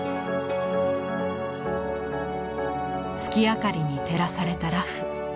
月明かりに照らされた裸婦。